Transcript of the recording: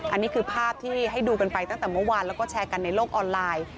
อันนี้คือภาพที่ให้ดูกันไปตั้งแต่เมื่อวานแล้วก็แชร์กันในโลกออนไลน์